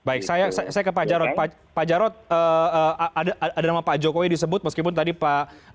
baik saya ke pak jarod pak jarod ada nama pak jokowi disebut meskipun tadi pak